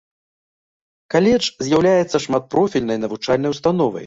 Каледж з'яўляецца шматпрофільнай навучальнай установай.